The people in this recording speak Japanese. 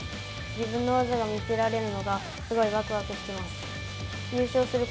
自分の技が見せられるのが、すごいわくわくしています。